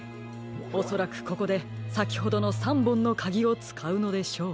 おそらくここでさきほどの３ぼんのかぎをつかうのでしょう。